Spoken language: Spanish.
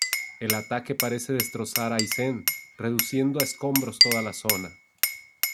El ataque parece destrozar a Aizen, reduciendo a escombros toda la zona.